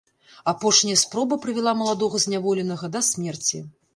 Апошняя спроба прывяла маладога зняволенага да смерці.